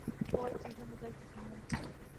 بہت چیزیں بدل چکی ہوں۔